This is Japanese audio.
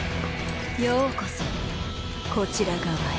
ようこそこちら側へ。